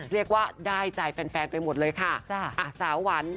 เรียกว่าได้ใจแฟนไปหมดเลยค่ะจ้ะอ่ะสาวหวัน